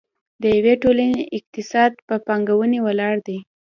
د یوې ټولنې اقتصاد په پانګونې ولاړ دی.